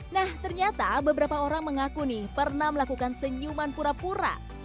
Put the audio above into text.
nah ternyata beberapa orang mengaku nih pernah melakukan senyuman pura pura